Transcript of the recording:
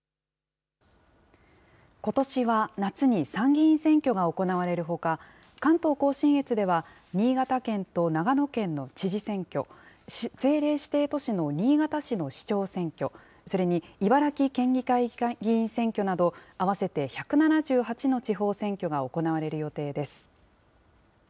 ことしは夏に参議院選挙が行われるほか、関東甲信越では、新潟県と長野県の知事選挙、政令指定都市の新潟市の市長選挙、それに茨城県議会議員選挙など、合わせて１７８の地方選挙が行われる予定です。